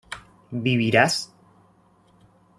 ¿vivirás?